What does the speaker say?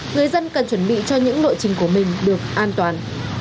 người dân cần chuẩn bị cho những nội trình của mình được an toàn